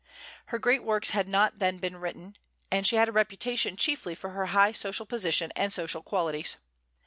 Her great works had not then been written, and she had reputation chiefly for her high social position and social qualities.